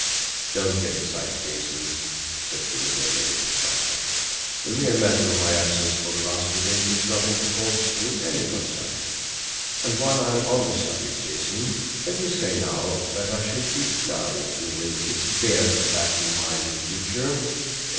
"Don't get excited, Jason!" said Jimmie Dale a little sharply. "The mere matter of my absence for the last two days is nothing to cause you any concern. And while I am on the subject, Jason, let me say now that I shall be glad if you will bear that fact in mind in future."